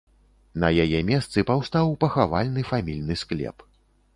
На яе месцы паўстаў пахавальны фамільны склеп.